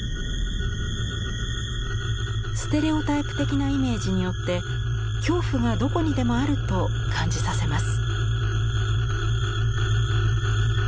ステレオタイプ的なイメージによって恐怖がどこにでもあると感じさせます。